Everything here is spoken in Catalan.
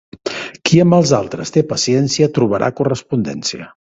Qui amb els altres té paciència trobarà correspondència.